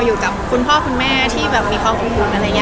อยู่กับคุณพ่อคุณแม่ที่มีครอบครัวคุณ